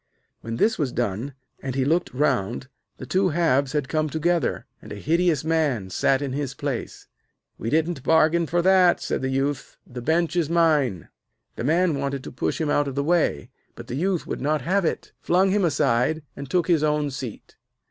When this was done, and he looked round, the two halves had come together, and a hideous man sat in his place. 'We didn't bargain for that,' said the Youth. 'The bench is mine.' The man wanted to push him out of the way, but the Youth would not have it, flung him aside, and took his own seat.